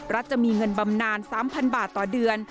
จะมีเงินบำนาน๓๐๐บาทต่อเดือน